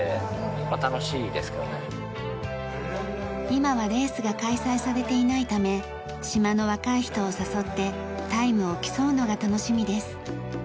今はレースが開催されていないため島の若い人を誘ってタイムを競うのが楽しみです。